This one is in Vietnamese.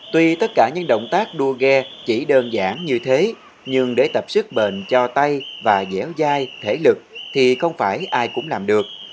tuy tất cả những động tác đua ghe chỉ đơn giản như thế nhưng để tập sức bền cho tay và dẻo dai thể lực thì không phải ai cũng làm được